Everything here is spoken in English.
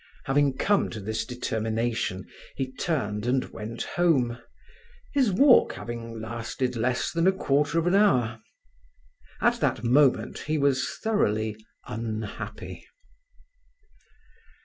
Having come to this determination, he turned and went home, his walk having lasted less than a quarter of an hour. At that moment he was thoroughly unhappy.